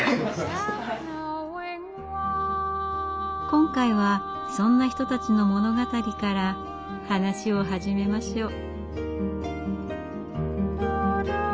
今回はそんな人たちの物語から話を始めましょう。